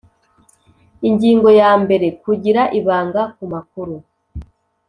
Ingingo ya mbere Kugira ibanga ku makuru